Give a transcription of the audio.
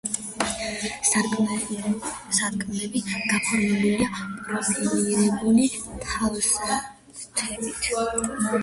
სარკმლები გაფორმებულია პროფილირებული თავსართებით.